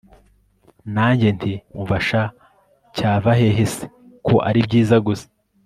nanjye nti umva sha, cyava hehe se ko ari ibyiza gusa